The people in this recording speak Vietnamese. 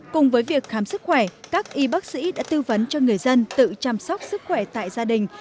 cùng với việc khám sức khỏe các y bác sĩ đã tư vấn cho người dân tự chăm sóc sức khỏe tại gia đình